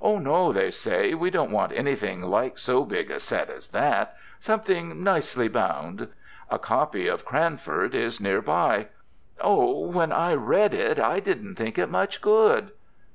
"Oh, no!" they say, "we don't want anything like so big a set as that. Something nicely bound." A copy of "Cranford" is near by. "Oh, when I read it I didn't think it much good."